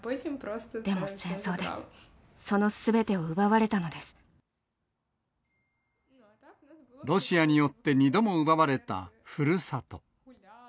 でも、戦争でそのすべてを奪われロシアによって２度も奪われたふるさと。